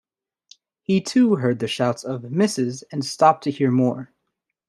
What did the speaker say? He too heard the shouts of ‘Missus,’ and stopped to hear more.